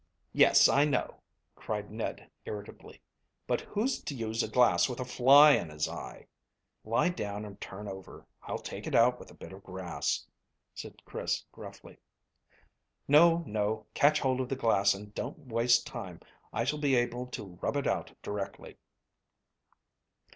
"Yes, I know," cried Ned irritably, "but who's to use a glass with a fly in his eye?" "Lie down and turn over. I'll take it out with a bit of grass," said Chris gruffly. "No, no, catch hold of the glass and don't waste time. I shall be able to rub it out directly."